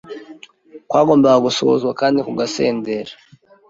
kwagombaga gusohozwa kandi kugasendera